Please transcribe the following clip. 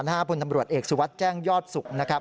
ห้าพทำรวจเอกสุวัสตร์แจ้งยอดศุกร์นะครับ